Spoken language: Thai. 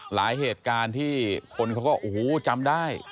หลายเหตุการณ์ที่คนเขาก็โอ้โหจำได้